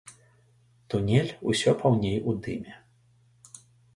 Тунель усё паўней у дыме.